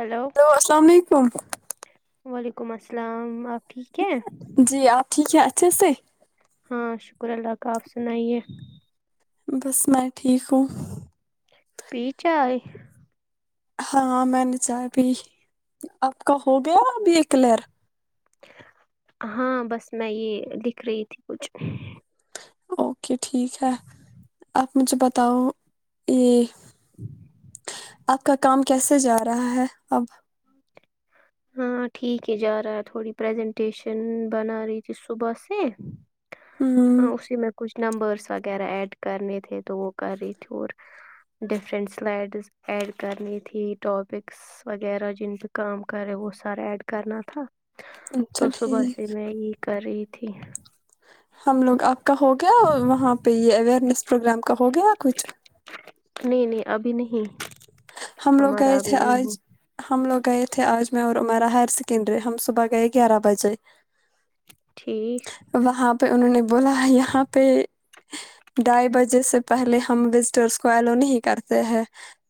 hello السلام علیکم وعلیکم السلام ٹھیک ہے جی آپ ٹھیک ہے چھسے [inaudible] ہاں شکر اللہ کا آپ سنائیے بس میں ٹھیک ہوں پی چائے ہاں میں نے چاہ ابھی آپ کا ہو گیا ابھی ایک لر ہاں بس میں یہ لکھ رہی تھی کچھ اوکے ٹھیک ہے آپ مجھے بتاؤ یہ ہ [inaudible] آپ کا کام کیسے جا رہا ہے اب ہاں ٹھیک ہے جا رہا ہے تھوڑی پرریزنٹیشن بنا رہی تھی صبح سے ہمم ہاں اسی میں کچھ نمبرس وغیرہ ایڈ کرنے تھے تو وہ کر رہی تھی اور ڈفرینٹ سلائڈس ایڈ کرنی تھی ٹاپکس وغیرہ جن پہ کام کرے وہ سر ایڈ کرنا تھا اچھا ٹھیک کری تھی ہم لوگ آپ کا ہو گیا وہاں پہ یہ اوئرنیس پروگرام ہو گیا کچھ نہیں نہیں ابھی نہیں ہم لوگ ہمارا گئے ابھی تھے نہیں ہو آج ہم لوگ گئے تھے آج میں اور ہمارا ہائر سیکنڈری ہم صبح گئے گیارہ بجے ٹھیک وہاں پہ انہوں نے بولا یہاں پہ ڈھائی بجے سے پہلے ہم وزٹرس کو ایلو نہیں کرتے ہیں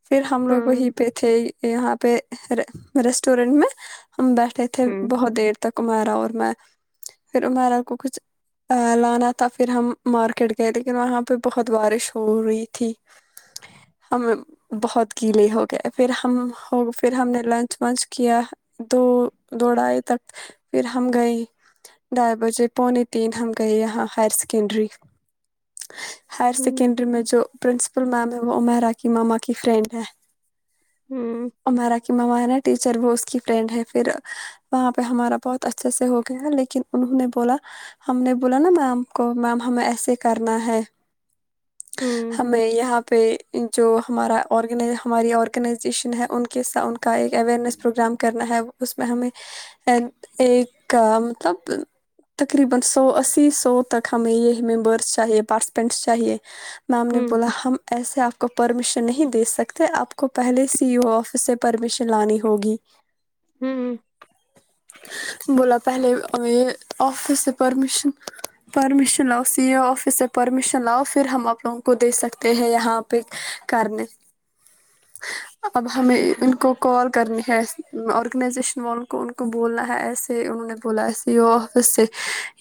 پھر ہم لوگ ہوں وہیں پہ تھے یہاں پہ ریسٹورینٹ میں ہم بیٹھے تھے ہوں بہت دیر تک عمیرا اور میں پھر امیرا کو کچھ لانا تھا پھر ہم مارکیٹ گئے لیکن وہاں پہ بہت بارش ہو رہی تھی ہم بہت گیلے ہو گئے پھر ہم پھر ہم نے لنچ ونچ کیا دو دوڑائے تک پھر ہم گئے ڈائی بجے پونے تین ہم گئے یہاں ہائر سکنڈری ہائر ہوں سیکنڈری میں جو پرنسپل میم ہے م راک کی مما [inaudible] کی فرینڈ ہے ہوں ہمارا کہماں مہاراج [unintelligible] ٹیچر وہ اس کی فرینڈ ہے پھر وہاں پہ ہمارا بہت اچھے سے ہو گیا لیکن انہوں نے بولا ہم نے بولا نا میم کو میم ہمیں ایسے کرنا ہے ہوں ہمیں یہاں پہ [unintelligible] چ [inaudible] ہمارا آ ہماری آرگنائزیشن ہے ان کے س ان کو کا ایک اوئرنیس پروگرام کرنا ہے اس میں ہمیں چا [unintelligible] میم نے ہوں بولا ہم ایسے کو پرمیشن [inaudible] نہیں دے سکتے آپ کو پہلے سی ای او آفس سے پرمیشن لانی ہوگی ہوں بولا [unintelligible] پہلے یہ آفس سے پرمیشن پرمیشن لاؤ سی اے آفس سے پرمیشن لاؤ پھر ہم اپ لوگوں کو دے سکتے ہیں یہاں پہ [unintelligible] کرنے [unintelligible] اب ہمیں ٹھیک ان کو کال کرنی ہے آرگنائزیشن والوں کو ان کو بولنا ہے ایسے انہوں نے بولا ایسے یو آفس سے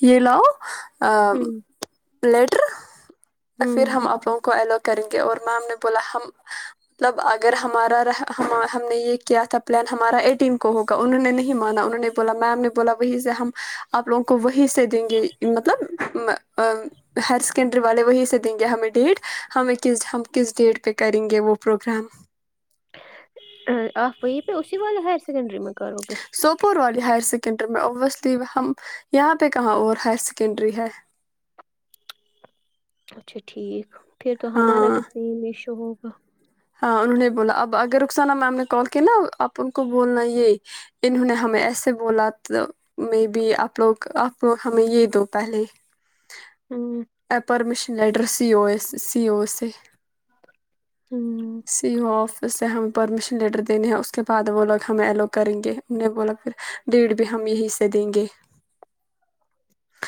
یہ لاؤ ہوں للیٹر [unintelligible] اور ہوں پھر ہم آپو کو الوٹ کریں گے اور میںی ہم نے کیال ہوگا انہوں نے نہیں ماناہوں ب می نے بو سے ہمپ لوگ کو وہ دیں گے ہر سڈ وہ دیں گے ہم ڈی ہم پہ کریں گے وہ پروگرام آف وہی پہ اسی والے ہائر سیکنڈری م میں کرو گے سوپ وال ہائی سیکنڈری میں ابویسلی ہم یہاں پہ کہاں اور ہائر سیکنڈری ہے اچھا ٹھیک پھر تو ہمارا ہاں بھیتنے ہی میشو ہو و [inaudible] ہاں انہوں نے بولا اب اگر رخسانہ میم نے کال کیا نا اپ ان کو بولنا یہی انہوں نے ہمیں ایسے بولا م بھی آپ لوگ آپ کو ہمیں یہ دو پہلے ہوں ا permission [inaudible] leader C O S C O ایسے ہوں سی وہ آفس [inaudible] ہمیں پرمیشن لیٹر دینے ہیں اس کے بعد وہ لوگ ہم ایلو کریں گے انہیں بولا پ ڈیٹ بھی ہم یہی سے دیں گے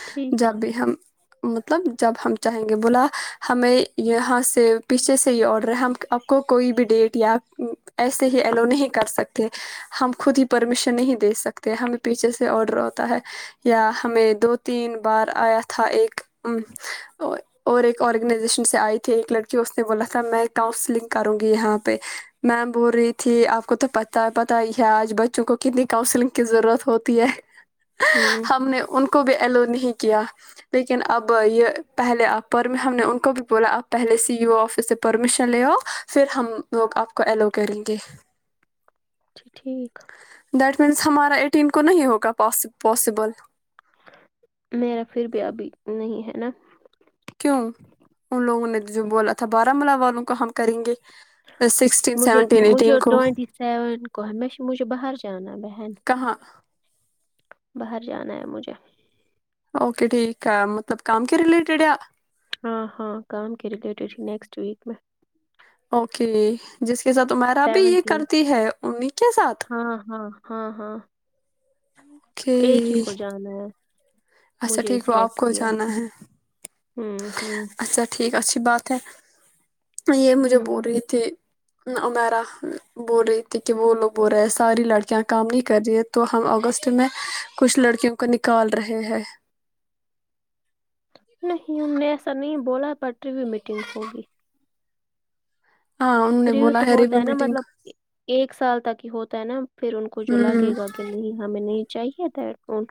ٹھیک جب بھی ہم [unintelligible] مطلب جب ہم چاہیں گے بولا ہمیں یہاں سے پیچھے سے یہ آڈر ہے ہم اب کو کوئی بھی ڈیٹ یا ایسے ہی ایلو نہیں کر سکتے ہم خود ہی پرمیشن نہیں دے سکتے ہمیں پیچھے سے آڈر ہوتا ہے یا ہمیں دو تین بار آیا تھا ایک اور ایک آرگنائزیشن سے آئی تھی ایک لڑکی اس نے بولا تھا میں کاؤنسلنگ کروں گی یہاں پہ میم بول رہی تھی آپ کو تو پتا پتا ہی ہے آج بچوں کو کتنی کاؤنسلنگ کی ضرورت ہوتی ہے ہوں ہم نے ان کو کو بھی ایلو نہیں کیا لیکن اب یہ پہلے آپ پر ہم نے ان کو بھی بولا آپ پہلے سی ا او آفس سے پرمیشن لےؤ پھر ہم لوگ آپ کو ایلو کریں گے ا ج ٹھیک دیٹ مینس ہمارا ایٹین کو نہیں ہوگا پاسبل میرا پھر بھی ابھی نہیں ہے نا کیوں ان لوگوں نے جو بولا تھا بارامولہ والوں کو ہم کریں گے سکسٹین مجھ سیونٹین مجھے ایٹین کو ٹونٹی سیون کو ہے میں مجھے باہر جانا بہن کہاں باہر جانا ہے مجھے اوکے ٹھیک ہے مطلب کام کے ریلیٹڈ ہے ہاں ہاں کام کے ریلیٹڈ ہی نیکسٹ ویک میں اوکے جیسے کیسا تمہارا بھی یہ سیونٹین کرتی ہے انیں کے ساتھ ہاں ہاں ہاں ہاں اوکے ایک ہی کو جانا ہے اچھا مجھے ٹھیک وہ آپ سلیکٹ کو کیا جانا ہے ہوں ہوں اچھا ٹھیک اچھا اچھی بات ہے یہ مجھے بول ہوں رہے تھھی امیرا بول رہی تھی کہ وہ لوگ بول رہے ہیں ساری لڑکیاں کام نہیں کر رہی ہے تو ہم اگست میں کچھ لڑکیوں کو نکال رہے ہیں [inaudible] نہیں میں ایسا نہیں بولا پ [unintelligible] رویو میٹنگ ہوگی ہاں انہوں نے ریو بولا تو ہوتا ریویو ہے نا میٹنگ مطلب ایک سال تک کہ ہوتا ہے نا پھر ان کو جو ہوں لگے گا کہ نہیں ہمیں نہیں چاہیے تھا ہیڈ فون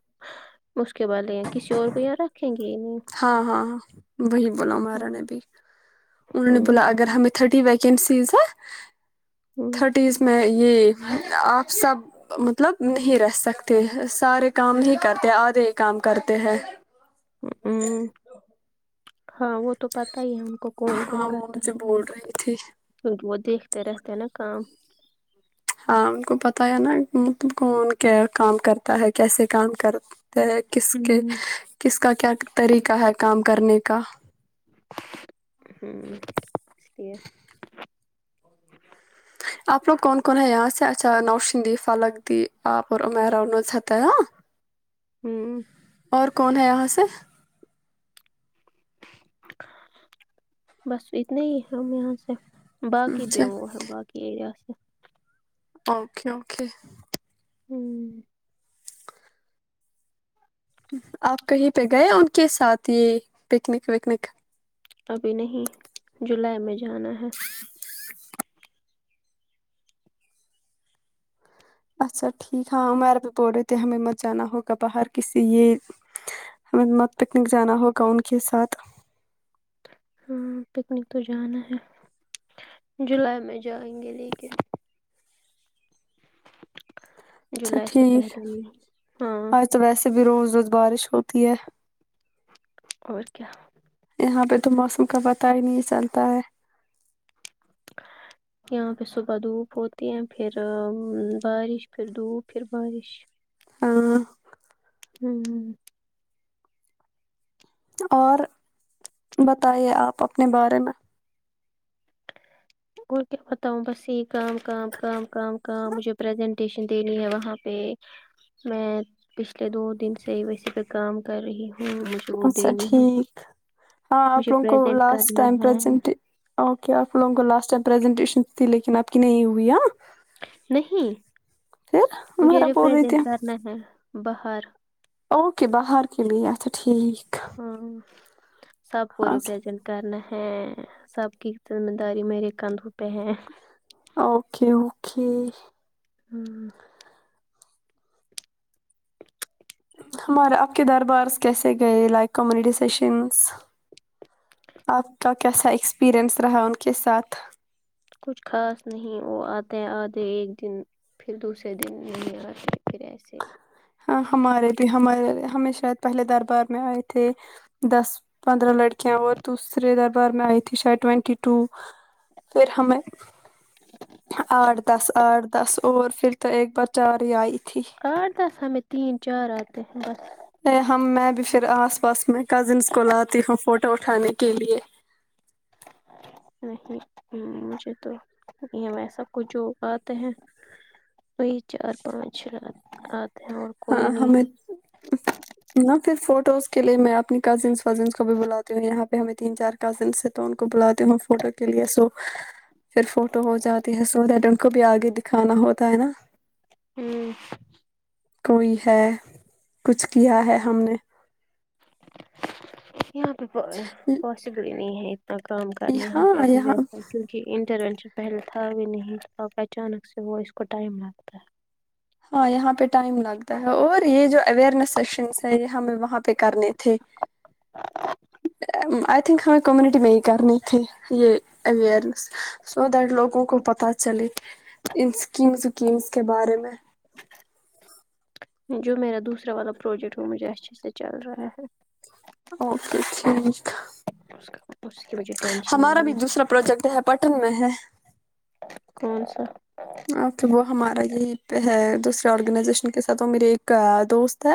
اس کے والے کسی اور کو یہاں رکھ ہاں ہاں ہاں وہی بولا ہمارا نے ہوں بھی انہوں نے ہوں بولا اگر ہمیں تھرٹی و کم سزہ ہوں تھرٹیز میچ یہ آپ سب مطلب نہیں رہ سکتے سارے کام نہیں کرتے آدھے ہی کام کرتے ہیں اوں ہاں وہ تو پتا ہی ہے ان کو کون کون ہاں وہ کرتا مجھے بول رہی تھی کیہ وہ دیکھتے رہتے ہیں نا کام ہاں ان کو پتا ہے نا مطلب کون کیا کام کرتا ہے کیسے کام کر کہ کس کے ہوں کس کا کیا طریقہ ہے کام کرنے کا ہوں اس لیے آپ لوگ کون کون ہیں یہاں سے اچھا نوشند فلک دی آپ اور امیرا نوزتا ہاں ہوں اور کون ہے یہاں سے بس اتنا ہی ہیں ہم یہاں سے باقی اچھا بیموں بای ایرییا سے اوکے اوکے ہوں آپ کہیں پہ گئے ان کے ساتھ یہ پکنک وکنک ابھی نہیں جولائی میں جانا ہے اچ اچھا ٹھیک ہاں عمیر بھیہ بول رہے تھے ہمیں مت جانا ہوگا باہر کسی یہ ہمیں مت پکنک جانا ہوگا ان کے ساتھ ہاں پکنک تو جانا ہے جولائی میں جائیں گے لیکن اچھا جولائی سے ٹھیک ہے پہلے نہیں ہاں آج تو ویسے بھی روز روز بارش ہوتی ہے اور کیا یہاں پہ تو موسم کا پتا ہی نہیں چلتا ہے یہاں پہ صبح دھوپ ہوتی ہے پھر بارش پھر دھوپ پھر بارش ہاں ہ اور بتائیے آپ اپنے بارے میں اور کیا بتاؤوں بس یہ کام کام کام کام کام مجھے پرزنٹیشن دینی ہے وہاں پہ میں پچھلے دو دن سے ہی ویسے پہ کام کر رہی ہوں مجھے وہ اچھا دینی ہے ٹھیک ہاں آپ مجھے لوگوں کو پریزنٹ لاسٹ کرنا ٹائم ہے پرزنٹ اوکے آپ لوگوں کو لاسٹ اچھ پرریزنٹیشن تھی لیکن اب کی نہیں ہوئیاں نہیں پھر مجھے ہمارا بول رہی تھی ریپریزینٹ کرنا ہے باہر اوکے بہر کے لی اچھا ٹھیک ہاں سب کو اچھا ریپرزینٹ کرنا ہے ہے سب کی ذمہ داری میرے کندوں پہ ہے اوکے اوکے ہاں ہمارے آپ کے دربار کیسے گئے لائک کمیونٹی سشنس آپ کا کیسا ایکسپریئنس رہا ان کے ساتھ کچھ خاص نہیں وہ آتے آدھے ایک دن پھر دوسرے دن نہیں آتے پھر ایسے ہاں ہمارے بھی ہمارے ہمیشہ شاید پہلے دربار میں آئے تھے دس پندرہ لڑکے کیا وہ دوسرے د بار میں آئی تھی شاید ٹوینٹی ٹو پھر ہمیں آٹھ دس آٹھ دس اور پھر تو ایک بار چار ہی آئی تھی آڈ توس میں تین چار آتےے بس ب پھر آس پاس میں کزنس کو لاتی ہوں فوٹو اٹھانے کے لیے نہیں مجھے تو یہ ایسا کچھ ہوگاتتے ہیں وہ چار پانچ چ رات [inaudible] ہاں ہمیں نہ پھر فوٹوز کے لیے میں اپنی کزنس وزنس کو بھی بلاتی ہوں یہاں پہ ہمیں تین چار کزنسے تو ان کو کو بلاتے ہوں فوٹو کے لیے سو پھر فوٹو ہو جاتی ہے سو اس کو بھی آگے دکھانا ہوتا ہے نا [inaudible] کوئی ہے کچھ کیا ہے ہم نے یہاں پہ پس گ جی کام کرنا یہاں پہ ابھی وس ہے کیک انٹر پہلتا بھی نہیں تھا اچانک سے وہ اس کو ٹائم لگتا ہے ہاں یہاں پہ ٹائم لگتا ہے اور یہ جو اوئرنیس سیشنس ہے یہ ہمیں وہاں پہ کرنے تھے آئی تھنک ہمیں کمیونٹی میں ہی کرنے تھے یہ اوئرنیس سو دیٹ لوگوں کو پت چلے ان اسکیم وکیمس کے بارے میں جو میرا دوسرا والا پروجیکٹ وہ مجھے اچھے سے چل رہا ہے اوکےٹھیک [inaudible] ٹینشن ہمارا نہیں بھی ہے دوسرا پروجیکٹ ہے پٹن میں ہے کون سا اک وہ ہمارا یہی ہے دوسرے آرگنائزیشن کے ساتھ وہ میرے ایک دوست ہے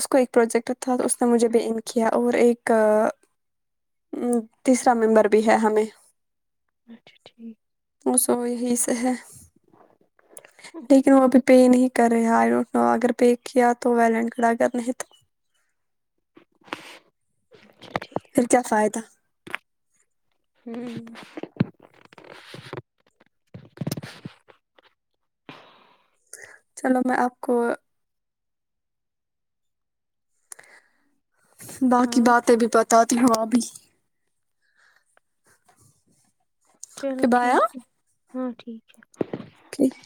اس کو ایک پروجیکٹ تھا اس نے مجھے بھی ان کیا اور ایک تیسرا ممبر بھی ہے ہمیں اچھا ٹھیک تو ہی سے ہے اوکے لیکن وہ ابھی پے نہیں کرے نو اگر پے کیا تو ویلین اگر نہیں تو اچھا ٹھیک پھر کیا فائدہ ہوں چلو میں آپ کو باقی ہاں باتیں بھی بت ابی چلو ٹھیک ہے ہاں ٹھیک ہے جھ